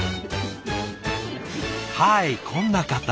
はいこんな方。